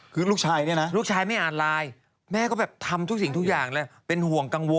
คือลูกชายนี่นะ